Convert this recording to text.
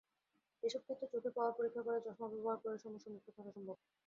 এসব ক্ষেত্রে চোখের পাওয়ার পরীক্ষা করে চশমা ব্যবহার করে সমস্যামুক্ত থাকা সম্ভব।